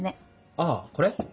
あぁこれ？